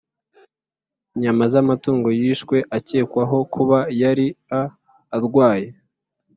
Inyama z’amatungo yishwe akekwaho kuba yaria arwaye